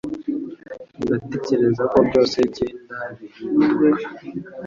ndatekereza ko byose kinda bihinduka.”